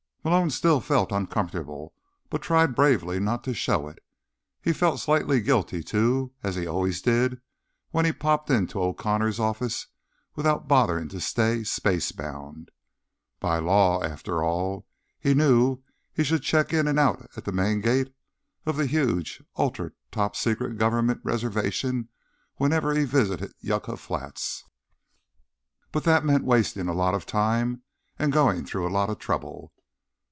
Malone still felt uncomfortable, but tried bravely not to show it. He felt slightly guilty, too, as he always did when he popped into O'Connor's office without bothering to stay space bound. By law, after all, he knew he should check in and out at the main gate of the huge, ultra top secret Government reservation whenever he visited Yucca Flats. But that meant wasting a lot of time and going through a lot of trouble.